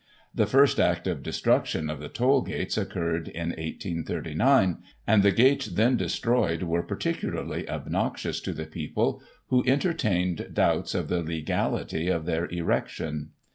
The first act of destruction of the toll gates occurred in 1839, and the gates then destroyed were particularly obnoxious to the people, who entertained doubts of the legality of their erection.